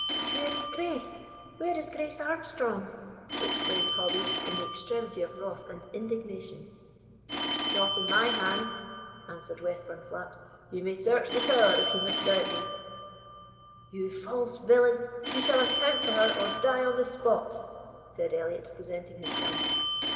"Where is Grace? where is Grace Armstrong?" exclaimed Hobbie, in the extremity of wrath and indignation. "Not in my hands," answered Westburnflat; "ye may search the tower, if ye misdoubt me." "You false villain, you shall account for her, or die on the spot," said Elliot, presenting his gun.